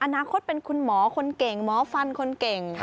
อนาคตเป็นคุณหมอคนเก่งหมอฟันคนเก่ง